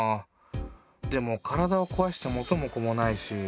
でも体をこわしちゃ元も子もないし。